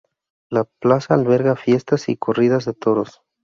La plaza albergaba fiestas y corridas de toros.